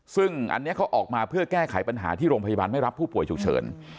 ซึ่งอันนี้เขาออกมาเพื่อแก้ไขปัญหาที่โรงพยาบาลไม่รับผู้ป่วยฉุกเฉิน